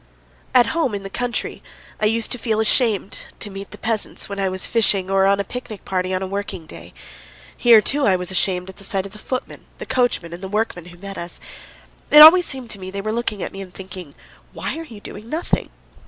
At home in the country I used to feel ashamed to meet the peasants when I was fishing or on a picnic party on a working day; here too I was ashamed at the sight of the footmen, the coachmen, and the workmen who met us. It always seemed to me they were looking at me and thinking: "Why are you doing nothing?"